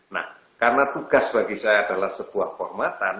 nah karena tugas bagi saya adalah sebuah kehormatan